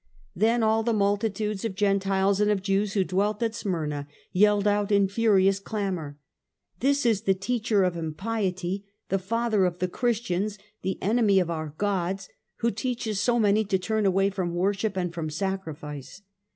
Then all the multitude of Gentiles and of Jews who dwelt at Smyrna yelled out in furious clamour, ' This is the teacher of impiety, the father of the Christians, the enemy of our gods, who teaches so many to turn away from worship and from sacrifice.